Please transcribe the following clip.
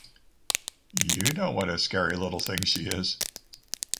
You know what a scary little thing she is.